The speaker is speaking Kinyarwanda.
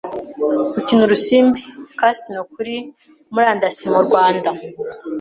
gukina urusimbi ‘Casino’ kuri murandasi mu rwanda